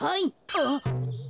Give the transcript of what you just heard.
あっ。